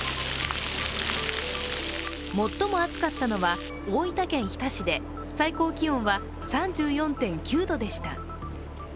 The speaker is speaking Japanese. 最も暑かったのは大分県日田市で最高気温は３４．９度でした。